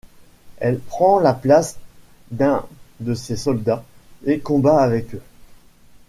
Elle prend la place d'un de ces soldats et combat avec eux.